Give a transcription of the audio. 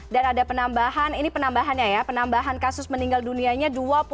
dan ada penambahan ini penambahannya ya penambahan kasus meninggal dunianya dua puluh delapan